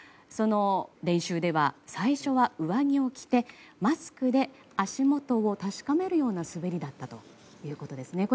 その練習では最初は上着を着てマスクで、足元を確かめるような滑りだったということでした。